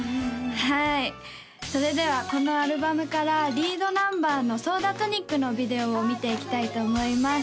はいはいそれではこのアルバムからリードナンバーの「ソーダトニック」のビデオを見ていきたいと思います